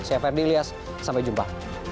saya ferdi ilyas sampai jumpa